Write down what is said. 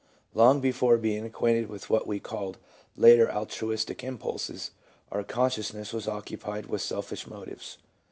Long before being acquainted with what we called later altruistic im pulses, our consciousness was occupied with selfish motives.